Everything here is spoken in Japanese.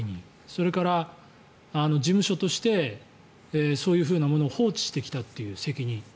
それから事務所としてそういうふうなものを放置してきた責任。